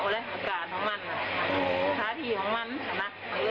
แต่ลองฮาศาลณะยางอ่อนแล้วล่ะ